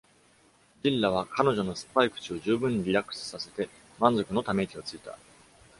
Zilla は彼女の酸っぱい口を十分にリラックスさせて、満足のため息をついた。